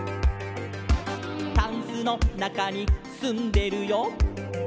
「タンスのなかにすんでるよ」